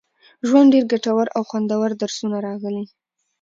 ژوند، ډېر ګټور او خوندور درسونه راغلي